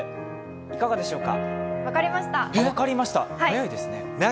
いかがでしょうか。